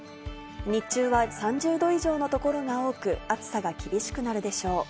日中は３０度以上の所が多く、暑さが厳しくなるでしょう。